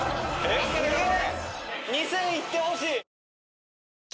すげえ！